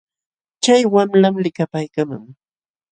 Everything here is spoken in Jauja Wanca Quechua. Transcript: Chay wamlam likapaaykaaman.